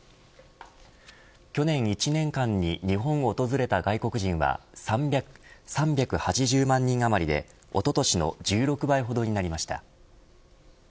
去年１年間に日本を訪れた外国人は３８０万人余りでおととしの１６倍ほどになりました。